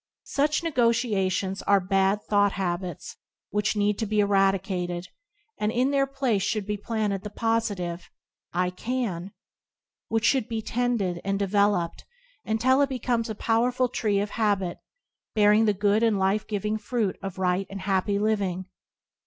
Such negations are bad thought habits which need to be eradicated, and in their place should be planted the positive "I can," which should be tended and devel oped until it becomes a powerful tree of habit, bearing the good and life giving fruit of right and happy living.